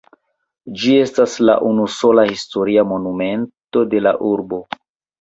Ĝi estas la unusola historia monumento en la urbo.